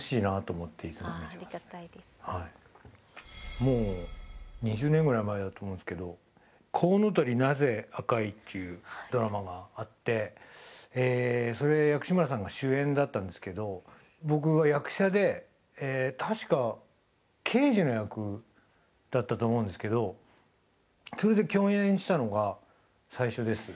もう２０年ぐらい前だと思うんですけど「コウノトリなぜ紅い」っていうドラマがあってそれ薬師丸さんが主演だったんですけど僕が役者で確か刑事の役だったと思うんですけどそれで共演したのが最初です。